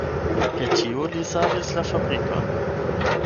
Per tio li savis la fabrikon.